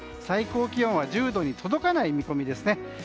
最高気温は１０度に届かない見込みですね。